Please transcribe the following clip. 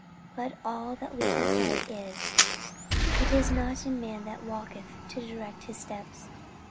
But all that we can say is It is not in man that walketh to direct his steps.